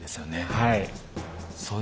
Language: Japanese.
はい。